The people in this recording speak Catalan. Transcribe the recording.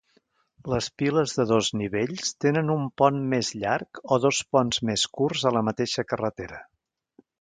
Les piles de dos nivells tenen un pont més llarg o dos ponts més curts a la mateixa carretera.